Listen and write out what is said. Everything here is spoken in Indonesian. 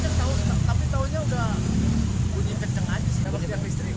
kayaknya sih kenceng tapi taunya udah bunyi kenceng aja sih